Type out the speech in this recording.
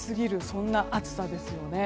そんな暑さですよね。